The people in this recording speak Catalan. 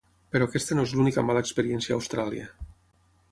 Però aquesta no és l’única mala experiència a Austràlia.